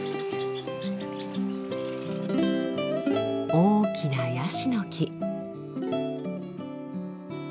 大きなヤシの木。